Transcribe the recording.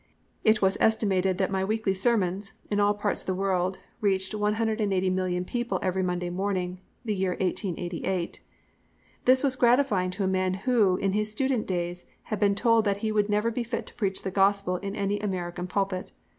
It was estimated that my weekly sermons, in all parts of the world, reached 180,000,000 people every Monday morning the year 1888. This was gratifying to a man who, in his student days, had been told that he would never be fit to preach the Gospel in any American pulpit.